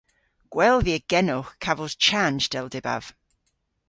Gwell via genowgh kavos chanj dell dybav.